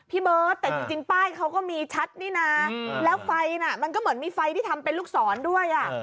พี่เบิร์ตแต่จริงป้ายเขาก็มีชัดนี่นะแล้วไฟน่ะมันก็เหมือนมีไฟที่ทำเป็นลูกศรด้วยอ่ะ